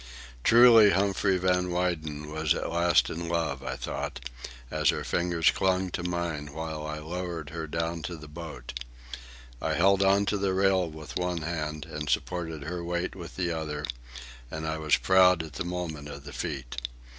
Truly Humphrey Van Weyden was at last in love, I thought, as her fingers clung to mine while I lowered her down to the boat. I held on to the rail with one hand and supported her weight with the other, and I was proud at the moment of the feat.